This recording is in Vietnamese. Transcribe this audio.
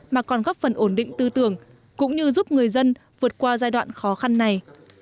mà còn góp phần ổn định tư tưởng cũng như giúp người dân vượt qua giai đoạn khó khăn này